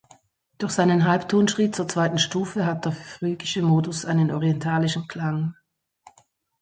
Durch seinen Halbtonschritt zur zweiten Stufe hat der phrygische Modus einen „orientalischen“ Klang.